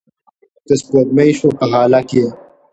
که سپوږمۍ شوه په هاله کې